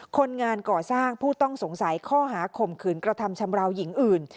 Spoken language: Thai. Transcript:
คนงานก่อสร้างผู้ต้องสงสัยข้อหาข่มขืนกระทำชำราวหญิงอื่น